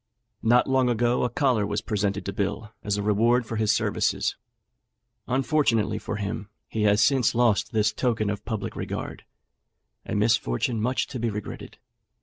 Not long ago a collar was presented to Bill as a reward for his services; unfortunately for him, he has since lost this token of public regard a misfortune much to be regretted.